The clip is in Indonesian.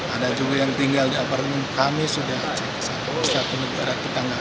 ada juga yang tinggal di apartemen kami sudah cek disana